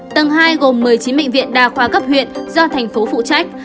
tầng hai gồm một mươi chín bệnh viện đa khoa cấp huyện do thành phố phụ trách